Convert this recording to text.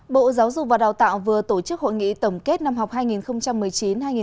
bộ giáo dục và đào tạo vừa tổ chức hội nghị tổng kết năm học hai nghìn một mươi chín hai nghìn hai mươi